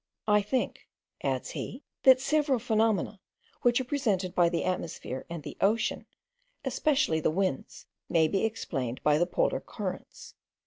"I think (adds he) that several phenomena, which are presented by the atmosphere and the ocean, especially the winds, may be explained by the polar currents."